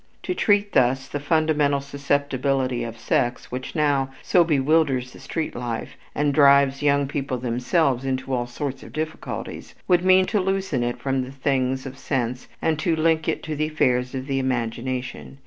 To treat thus the fundamental susceptibility of sex which now so bewilders the street life and drives young people themselves into all sorts of difficulties, would mean to loosen it from the things of sense and to link it to the affairs of the imagination.